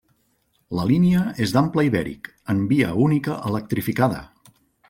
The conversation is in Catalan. La línia és d'ample ibèric, en via única electrificada.